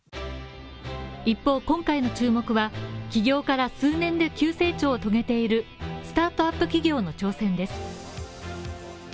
一方、今回の注目は、起業から数年で急成長を遂げているスタートアップ企業の挑戦です。